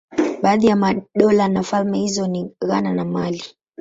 Baadhi ya madola na falme hizo ni Ghana na Mali.